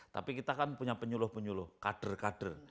tapi kita kan punya penyuluh penyuluh kader kader